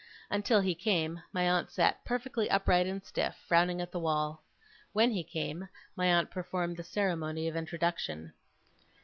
Until he came, my aunt sat perfectly upright and stiff, frowning at the wall. When he came, my aunt performed the ceremony of introduction.